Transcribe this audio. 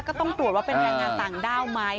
ก็ต้องตรวจว่าเป็นแรงงานต่างด้าวไหม